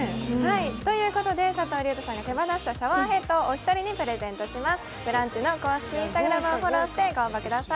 ということで、佐藤隆太さんが手放したシャワーヘッドをお二人の方にプレゼントします。